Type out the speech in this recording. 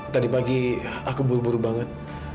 tadi pagi aku buru buru banget